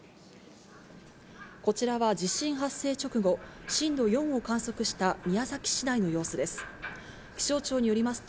こちらは地震発生直後、震度４を観測した宮崎市内の様子です。